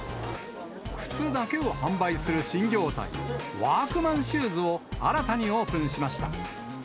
靴だけを販売する新業態、ワークマンシューズを新たにオープンしました。